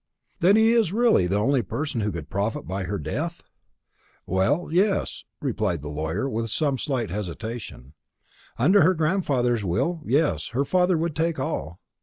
"Then he is really the only person who could profit by her death?" "Well, yes," replied the lawyer with some slight hesitation; "under her grandfather's will, yes, her father would take all.